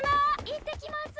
行ってきます！